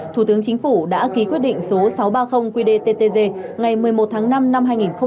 thủ tướng chính phủ đã ký quyết định số sáu trăm ba mươi qdttg ngày một mươi một tháng năm năm hai nghìn một mươi chín